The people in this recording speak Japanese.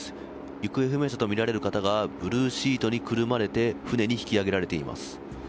行方不明者とみられる方がブルーシートにくるまれて舟に引き揚げられています。